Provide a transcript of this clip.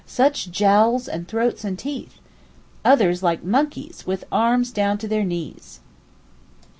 such jowls and throats and teeth!—others like monkeys, with arms down to their knees.